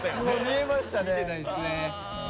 もう見えましたね。